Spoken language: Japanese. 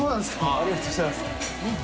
ありがとうございます。